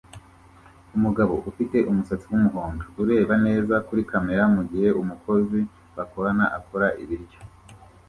Umugabo ufite umusatsi wumuhondo ureba neza kuri kamera mugihe umukozi bakorana akora ibiryo